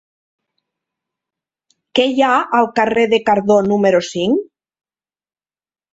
Què hi ha al carrer de Cardó número cinc?